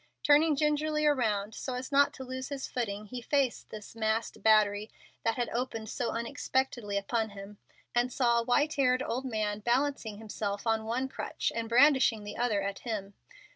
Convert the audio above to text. Turning gingerly around so as not to lose his footing, he faced this masked battery that had opened so unexpectedly upon him, and saw a white haired old man balancing himself on one crutch and brandishing the other at him.